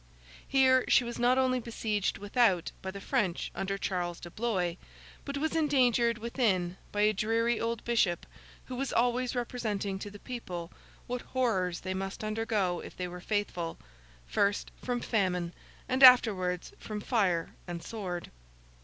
Here she was not only besieged without by the French under Charles de Blois, but was endangered within by a dreary old bishop, who was always representing to the people what horrors they must undergo if they were faithful—first from famine, and afterwards from fire and sword.